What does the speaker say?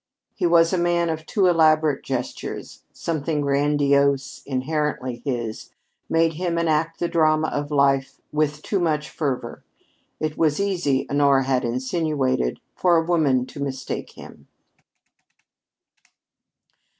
He was a man of too elaborate gestures; something grandiose, inherently his, made him enact the drama of life with too much fervor. It was easy, Honora had insinuated, for a woman to mistake him!